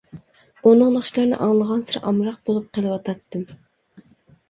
ئۇنىڭ ناخشىلىرىنى ئاڭلىغانسېرى ئامراق بولۇپ قېلىۋاتاتتىم.